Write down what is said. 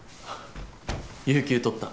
有休取った。